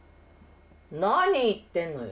何言ってんのよ。